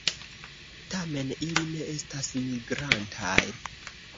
Tamen ili ne estas migrantaj.